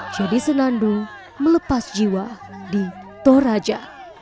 jadi senandu melepas jiwa di toraja